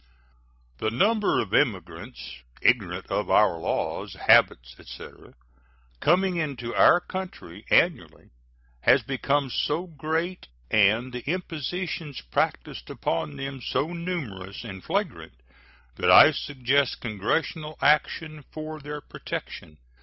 The number of immigrants ignorant of our laws, habits, etc., coming into our country annually has become so great and the impositions practiced upon them so numerous and flagrant that I suggest Congressional action for their protection.